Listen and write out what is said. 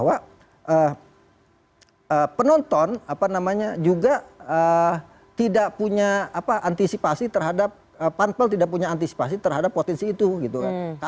jadi penonton juga tidak punya antisipasi terhadap pantpel tidak punya antisipasi terhadap potensi itu gitu kan